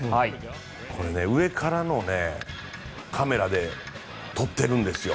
これ、上からのカメラで撮ってるんです。